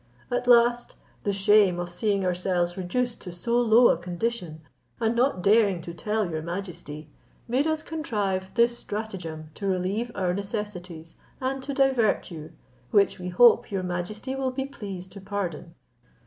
At last, the shame of seeing ourselves reduced to so low a condition, and not daring to tell your majesty, made us contrive this stratagem to relieve our necessities, and to divert you, which we hope your majesty will be pleased to pardon."